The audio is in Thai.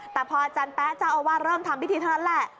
แต่พออาจารย์แป๊ะเจ้าอาวาสเริ่มทำพิธีเท่านั้นแหละ